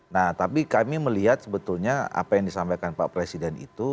nah tapi kami melihat sebetulnya apa yang disampaikan pak presiden itu